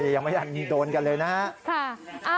ดียังไม่ได้โดนกันเลยนะ